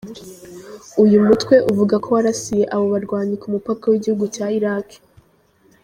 Uyu mutwe uvuga ko warasiye abo barwanyi ku mupaka w’igihugu cya Iraki.